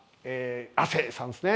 亜生さんですね